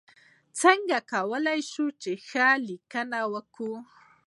څنګه کولی شم ښه لیکنه وکړم